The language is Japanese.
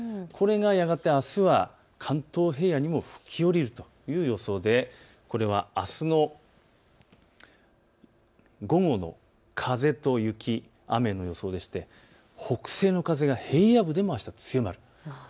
これがやがてあすは関東平野にも吹き降りるという予想であすの午後の風と雪雨の予想でして北西の風が平野部でも強まると。